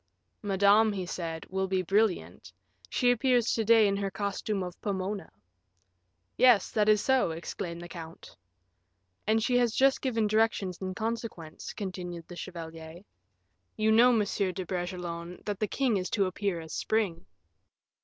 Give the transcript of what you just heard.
"Madame," he said, "will be brilliant; she appears to day in her costume of Pomona." "Yes, that is so," exclaimed the count. "And she has just given directions in consequence," continued the chevalier. "You know, Monsieur de Bragelonne, that the king is to appear as Spring."